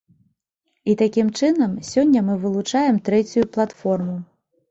І такім чынам сёння мы вылучаем трэцюю платформу.